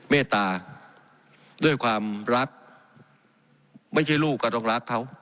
เมตตาด้วยความรักไม่ใช่ลูกก็ต้องรักเขา